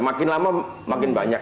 makin lama makin banyak